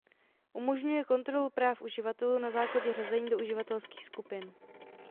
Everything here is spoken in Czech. Umožňuje kontrolu práv uživatelů na základě řazení do uživatelských skupin.